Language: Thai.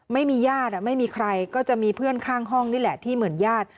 ไม่มีญาติไม่มีใครก็จะมีเพื่อนข้างห้องนี่แหละที่เหมือนญาติ